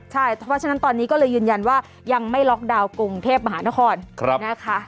ใช่เพราะฉะนั้นตอนนี้ก็เลยยืนยันว่ายังไม่ล็อกดาวน์กรุงเทพมหานครนะคะ